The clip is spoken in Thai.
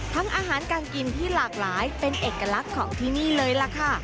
อาหารการกินที่หลากหลายเป็นเอกลักษณ์ของที่นี่เลยล่ะค่ะ